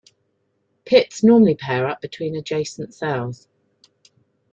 Pits normally pair up between adjacent cells.